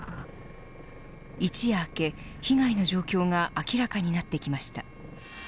一夜明け被害の状況が明らかになってきました。